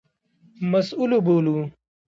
مسوول وبولو.